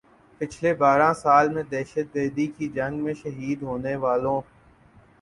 پچھلے بارہ سال میں دہشت گردی کی جنگ میں شہید ہونے والوں